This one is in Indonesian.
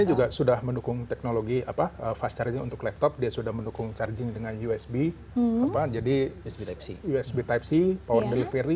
kita juga sudah mendukung teknologi fast charging untuk laptop dia sudah mendukung charging dengan usb jadi usb tipe c power delivery